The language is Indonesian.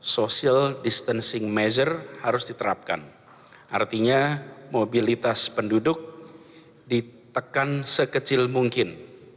social distancing measure harus diterapkan